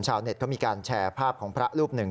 ชาวเน็ตเขามีการแชร์ภาพของพระรูปหนึ่ง